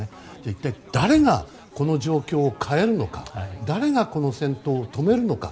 一体誰がこの状況を変えるのか誰がこの戦闘を止めるのか。